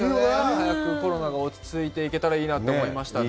早くコロナが落ちついていったらいいなと思いましたね。